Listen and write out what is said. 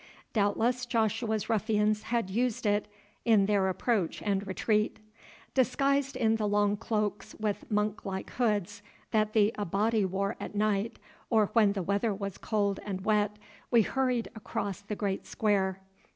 Doubtless Joshua's ruffians had used it in their approach and retreat. Disguised in the long cloaks with monk like hoods that the Abati wore at night or when the weather was cold and wet, we hurried across the great square.